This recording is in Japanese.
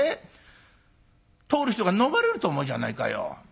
通る人がのまれると思うじゃないかよ。